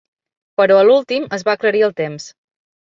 Però a l'últim es va aclarir el temps